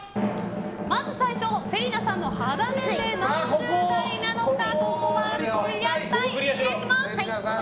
まず最初芹那さんの肌年齢は何十代なのか。